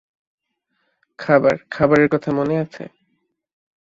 খাবার, খাবারের কথা মনে আছে?